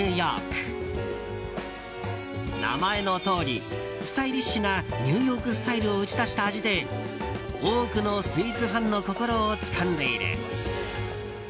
名前のとおり、スタイリッシュなニューヨークスタイルを打ち出した味で多くのスイーツファンの心をつかんでいる。